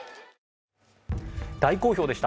大好評でした。